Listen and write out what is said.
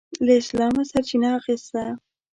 له اسلامه سرچینه اخیسته.